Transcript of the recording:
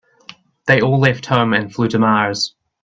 They all left home and flew to Mars.